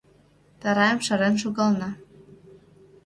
Тарайым шарен шогална.